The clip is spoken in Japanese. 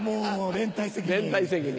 連帯責任。